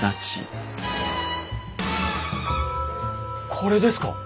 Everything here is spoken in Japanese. これですか！？